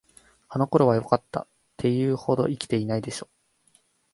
あの頃はよかった、って言うほど生きてないでしょ。